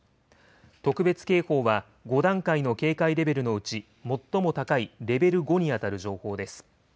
特別警報は、５段階の警戒レベルのうち最も高いレベル５、に当たる情報です。